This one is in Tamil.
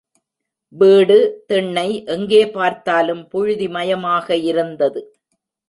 வீடு, திண்ணை எங்கே பார்த்தாலும் புழுதிமயமாக இருந்தது.